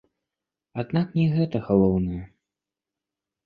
Аднак не гэта галоўнае.